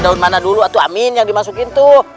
daun mana dulu waktu amin yang dimasukin tuh